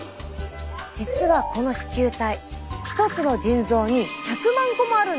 実はこの糸球体１つの腎臓に１００万個もあるんです！